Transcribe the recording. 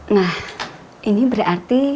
nah ini berarti